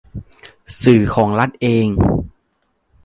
สื่อของรัฐเอง